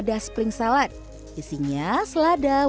dan badan lainnya sendiri